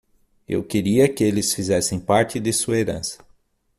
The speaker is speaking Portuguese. Eu queria que eles fizessem parte de sua herança.